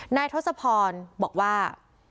นายทศพรบอกว่า